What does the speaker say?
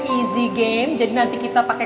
easy game jadi nanti kita pakai